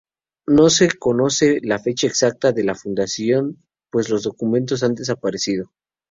No se conoce la fecha exacta de la fundación pues los documentos han desaparecido.